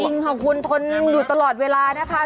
จริงค่ะคุณทนอยู่ตลอดเวลานะคะ